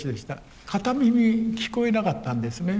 片耳聞こえなかったんですね。